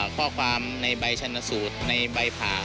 ข้อความในใบฉณศูนย์ในใบผ่า